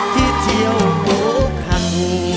ที่เที่ยวโอ้ขัง